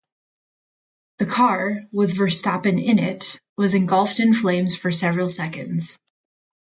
The car, with Verstappen in it, was engulfed in flames for several seconds.